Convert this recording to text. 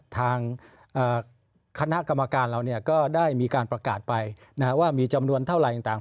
ทางคณะกรรมการเราก็ได้มีการประกาศไปว่ามีจำนวนเท่าไหร่ต่าง